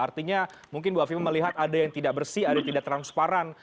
artinya mungkin bu afifa melihat ada yang tidak bersih ada yang tidak transparan